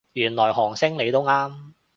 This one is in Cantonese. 原來韓星你都啱